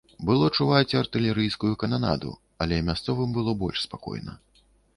Было чуваць артылерыйскую кананаду, але мясцовым было больш спакойна.